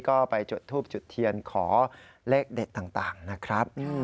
ก็ไปจุดทูบจุดเทียนขอเลขเด็ดต่างนะครับ